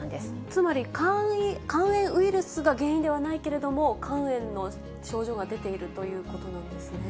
つまり、肝炎ウイルスが原因ではないけれども、肝炎の症状が出ているということなんですね。